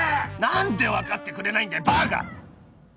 何で分かってくれないんだよバカ！